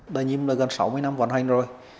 đa nhiêm là gần sáu mươi năm vận hành rồi